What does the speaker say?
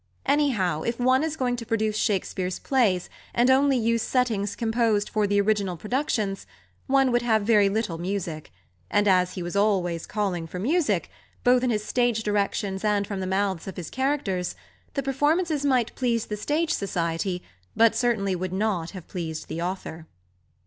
Anyhow, if one is going to produce Shakespeare's plays and only use settings composed for the original productions, one would have very little music; and, as he was always calling for music, both in his stage directions and from the mouths of his characters, the performances might please the Stage Society, but certainly would not have pleased the author.